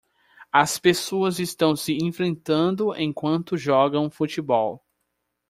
As pessoas estão se enfrentando enquanto jogam futebol.